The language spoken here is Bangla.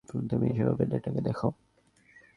আমি যেভাবে দেখেছি আমি চাই তুমি সেভাবে এটাকে দেখো।